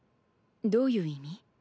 どういう意味？